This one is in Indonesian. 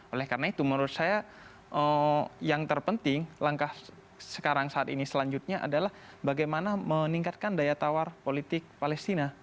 oleh karena itu menurut saya yang terpenting langkah sekarang saat ini selanjutnya adalah bagaimana meningkatkan daya tawar politik palestina